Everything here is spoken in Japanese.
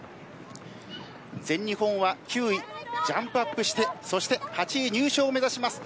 全日本は９位ジャンプアップして８位入賞を目指します。